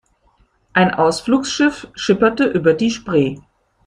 Ein Ausflugsschiff schipperte über die Spree.